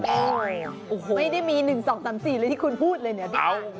ไม่ได้มี๑๒๓๔เลยที่คุณพูดเลยเนี่ย